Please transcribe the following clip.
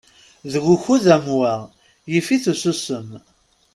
Deg ukud am wa, yif-it ususem.